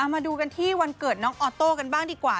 มาดูกันที่วันเกิดน้องออโต้กันบ้างดีกว่า